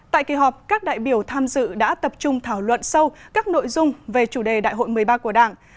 tại kỳ họp các đại biểu tham dự đã tập trung thảo luận sâu các nội dung về chủ đề đại hội một mươi ba của đảng